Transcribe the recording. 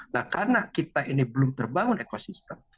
nah karena kita ini belum terbangun ekosistem